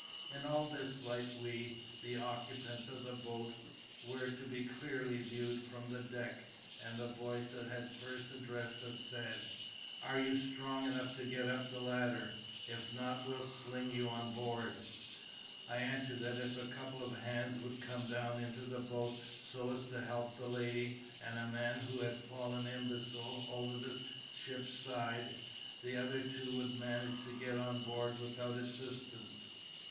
In all this light we, the occupants of the boat, were to be clearly viewed from the deck; and the voice that had first addressed us said: "Are you strong enough to get up the ladder? If not, we'll sling you on board." I answered that if a couple of hands would come down into the boat so as to help the lady and a man (who had fallen imbecile) over the ship's side, the other two would manage to get on board without assistance.